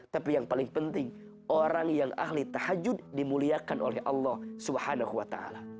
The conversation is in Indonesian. tapi yang paling penting orang yang ahli tahajud dimuliakan oleh allah swt